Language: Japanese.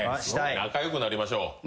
仲良くなりましょう。